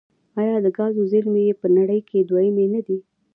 آیا د ګازو زیرمې یې په نړۍ کې دویمې نه دي؟